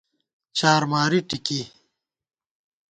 چارماری ٹِکی